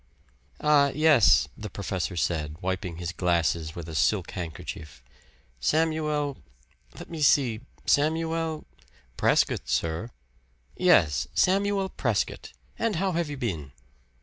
"Ah, yes," the professor said, wiping his glasses with a silk handkerchief. "Samuel let me see Samuel " "Prescott, sir." "Yes Samuel Prescott. And how have you been?"